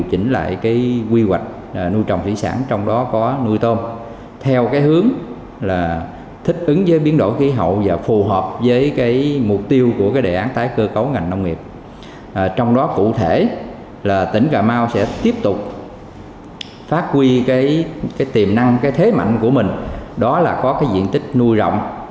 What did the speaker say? tỉnh cà mau sẽ tiếp tục phát huy tiềm năng thế mạnh của mình đó là có diện tích nuôi rộng